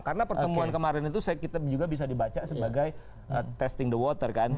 karena pertemuan kemarin itu juga bisa dibaca sebagai testing the water kan